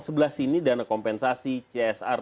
sebelah sini dana kompensasi csr